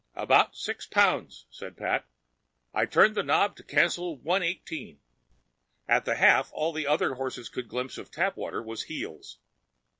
"About six pounds," said Pat. "I turned the knob to cancel one eighteen." At the half, all the other horses could glimpse of Tapwater was heels.